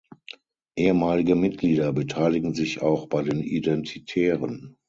Ehemalige Mitglieder beteiligen sich auch bei den Identitären.